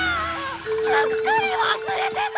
すっかり忘れてた！